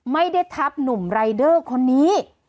ไม่ได้ทับหนุ่มรายเดอร์คนนี้